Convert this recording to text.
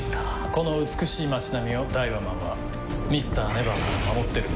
この美しい街並みをダイワマンはＭｒ．ＮＥＶＥＲから守ってるんだ。